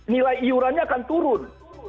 nilai iurannya akan turun